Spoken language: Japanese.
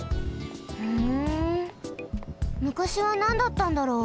ふんむかしはなんだったんだろう？